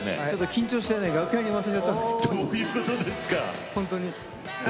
緊張して楽屋に忘れちゃったんです。